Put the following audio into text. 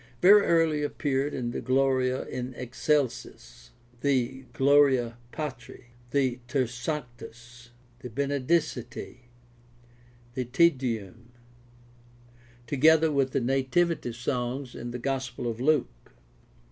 Very early appeared the " Gloria in Excel sis," the " Gloria Patri," the "Ter Sanctus," the "Benedicite," the "Te Deum," together with the Nativity songs in the Gospel of Luke.